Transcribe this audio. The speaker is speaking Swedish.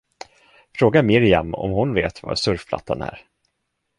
Fråga Miriam om hon vet var surfplattan är.